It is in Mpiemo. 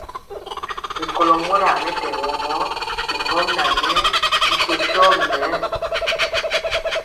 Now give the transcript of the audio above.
Rikólo mora mɛtɛgɔ gɔ, bigɔmŋa ŋɛɛ bi tɔ shogi ŋɛɛ.